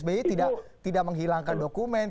elak presiden sby tidak menghilangkan dokumen